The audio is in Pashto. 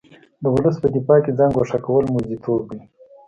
د ولس په دفاع کې ځان ګوښه کول موزیتوب دی.